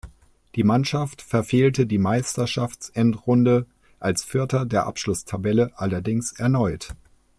Die Mannschaft verfehlte die Meisterschafts-Endrunde als Vierter der Abschlusstabelle allerdings erneut.